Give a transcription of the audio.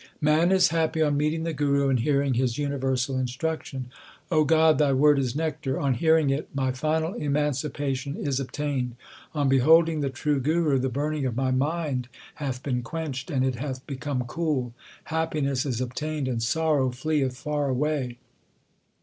Man is happy on meeting the Guru and hearing his universal instruction : God, Thy Word is nectar : On hearing it my final emancipation is obtained. On beholding the true Guru the burning of my mind hath been quenched, and it hath become cool ; Happiness is obtained and sorrow fleeth far away.